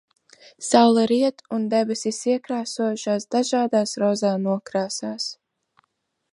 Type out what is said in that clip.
Saule riet un debesis iekrāsojušās dažādās rozā nokrāsās.